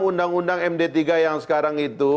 undang undang md tiga yang sekarang itu